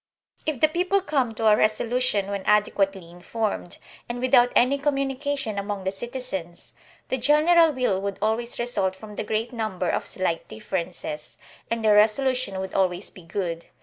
If the people come to a resolution when adequately informed and without any communication among the citizens, the general will would always result from the great number of slight differences, and the resolution would always be good.